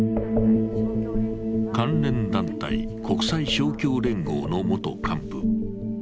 関連団体、国際勝共連合の元幹部。